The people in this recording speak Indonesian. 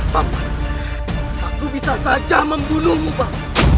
paman aku bisa saja membunuhmu paman